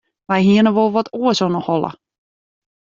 Wy hiene wol wat oars oan 'e holle.